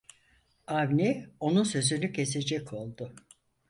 Avni onun sözünü kesecek oldu: